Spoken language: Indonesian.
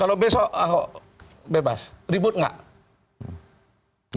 kalau besok ahok bebas ribut nggak